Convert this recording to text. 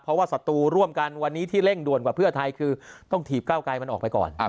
เพราะว่าศัตรูร่วมกันวันนี้ที่เร่งด่วนกว่าเพื่อไทยคือต้องถีบเก้าไกรมันออกไปก่อน